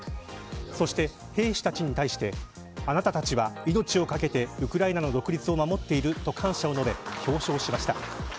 そして、兵士たちに対してあなたたちは命を懸けてウクライナの独立を守っていると感謝を述べ表彰しました。